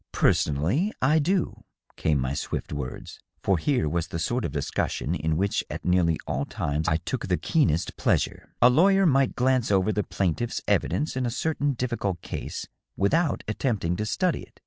" Personally I do," came my swift words, for here was the sort of discussion in which at nearly all times I took the keenest pleasure. " A lawyer might glance over the plaintiff's evidence in a certain difficult case, without attempting to study it.